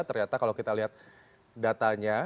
ternyata kalau kita lihat datanya